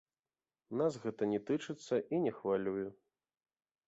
Нас гэта не тычыцца і не хвалюе.